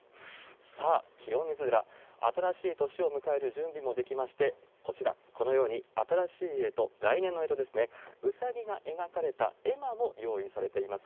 さあ、清水寺、新しい年を迎える準備も出来まして、こちら、このように新しいえと、来年の干支ですね、ウサギが描かれた絵馬も用意されています。